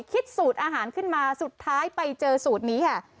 คิดสูตรอาหารขึ้นมาสุดท้ายไปเจอสูตรนี้ค่ะ